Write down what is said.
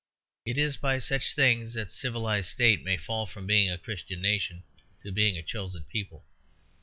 It is by such things that a civilized state may fall from being a Christian nation to being a Chosen People.